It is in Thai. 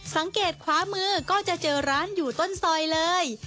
สังเกตขวามือก็จะเจอร้านอยู่ต้นซอยเลย